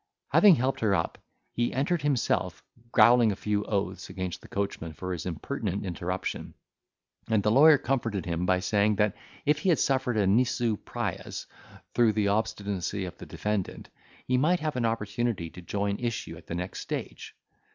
Having helped her up, he entered himself, growling a few oaths against the coachman for his impertinent interruption; and the lawyer comforted him by saying, that if he had suffered a nisi prius through the obstinacy of the defendant, he might have an opportunity to join issue at the next stage.